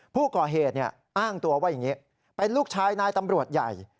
ผู้ก่อเหตุอ้างตัวว่าอย่างนี้เป็นลูกชายนายตำรวจใหญ่